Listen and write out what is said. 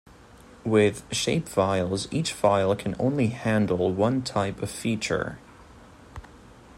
With shapefiles, each file can only handle one type of feature.